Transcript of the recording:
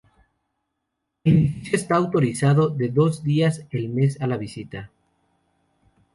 El edificio está autorizado de dos días el mes a la visita.